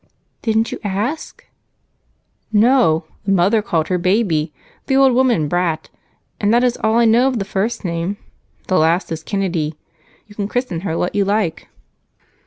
"Didn't you ask?" "No, the mother called her 'Baby,' and the old woman, 'Brat.' And that is all I know of the first name the last is Kennedy. You may christen her what you like."